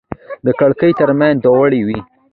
د کړکۍ ترمنځ دوړې وې.